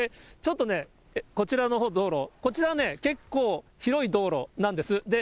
ちょっとね、こちらのほう、道路、こちらのほう、結構広い道路なんです。